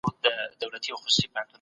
د علم په ساحه کي نوښت مهم دی.